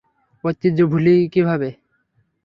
ঐতিহ্য ভুলি কীভাবে?